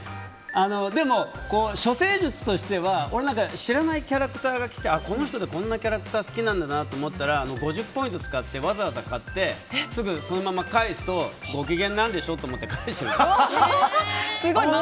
でも、処世術としては知らないキャラクターが来てこの人ってこんなキャラクター好きなんだなって思ったら５０ポイント使ってわざわざ買ってすぐそのまま返すとご機嫌なんでしょ？って思って返したりする。